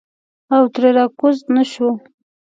او ترې راکوز نه شو.